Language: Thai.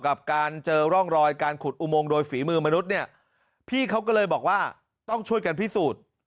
กับการเจอร่องรอยการขุดอุโมงโดยฝีมือมนุษย์เนี่ยพี่เขาก็เลยบอกว่าต้องช่วยกันพิสูจน์